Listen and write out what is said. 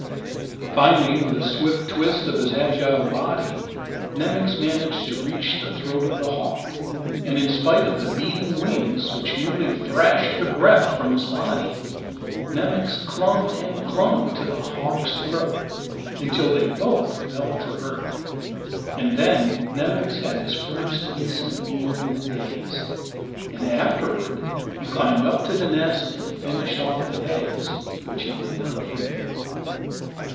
Finally, with a swift twist of his agile body, Nemox managed to reach the throat of the hawk, and in spite of the beating wings, which nearly thrashed the breath from his body, Nemox clung and clung to the hawk's throat, until they both fell to earth. And then Nemox had his first decent meal in days, and afterward he climbed up to the nest and finished off the eggs, which he did not forget.